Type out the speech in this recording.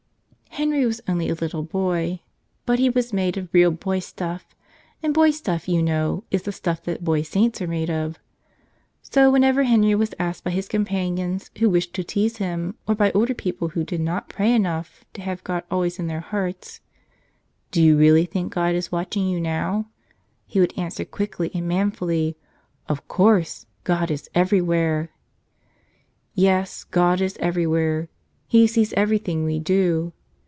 RENRY was only a little boy. But he was made I of real boy stuff ; and boy stuff, you know, is ' the stuff that boy saints are made of. So when¬ ever Henry was asked by his companions who wished to tease him or by older people who did not pray enough to have God always in their hearts, "Do you really think God is watching you now?" he would answer quickly and manfully, "Of course, God is everywhere !" Yes; God is everywhere. He sees everything we do.